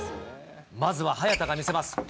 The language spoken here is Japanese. まずは早田が見せます。